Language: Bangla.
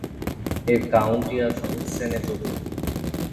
এর কাউন্টি আসন সেনেটোবিয়া।